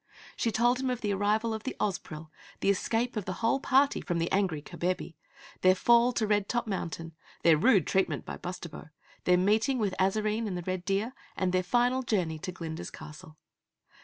She told him of the arrival of the Ozpril, the escape of the whole party from the angry Kabebe, their fall to Red Top Mountain, their rude treatment by Bustabo, their meeting with Azarine and the red Deer, and their final journey to Glinda's castle.